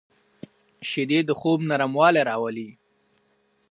شیدې د خوب نرموالی راولي